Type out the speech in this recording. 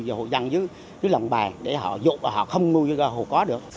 và hộ dân dưới lồng bè để họ dụng và họ không nuôi ra hộ có được